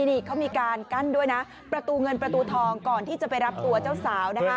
นี่เขามีการกั้นด้วยนะประตูเงินประตูทองก่อนที่จะไปรับตัวเจ้าสาวนะคะ